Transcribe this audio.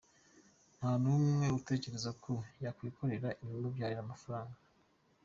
Nta n’umwe utekereza uko yakwikorera ibimubyarira amafaranga.